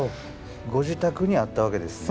ご自宅にあったわけですね。